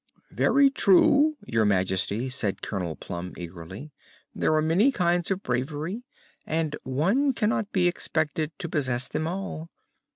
"Very true, Your Majesty," said Colonel Plum, eagerly. "There are many kinds of bravery and one cannot be expected to possess them all.